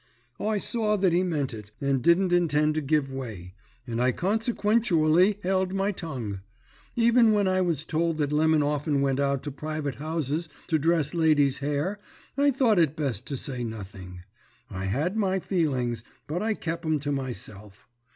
"I saw that he meant it and didn't intend to give way, and I consequenchually held my tongue. Even when I was told that Lemon often went out to private houses to dress ladies' hair I thought it best to say nothing. I had my feelings, but I kep 'em to myself.